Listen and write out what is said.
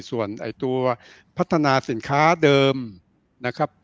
ส่วนตัวพัฒนาสินค้าเดิมนะครับ